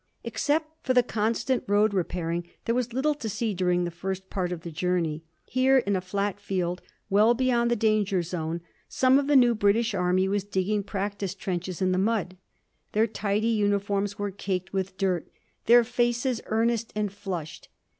Except for the constant road repairing there was little to see during the first part of the journey. Here in a flat field, well beyond the danger zone, some of the new British Army was digging practice trenches in the mud. Their tidy uniforms were caked with dirt, their faces earnest and flushed.